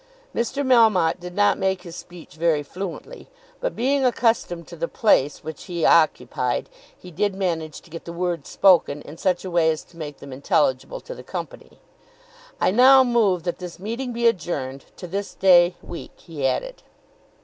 Mr. Melmotte did not make his speech very fluently; but, being accustomed to the place which he occupied, he did manage to get the words spoken in such a way as to make them intelligible to the company. "I now move that this meeting be adjourned to this day week," he added.